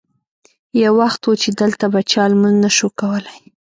یو وخت و چې دلته به چا لمونځ نه شو کولی.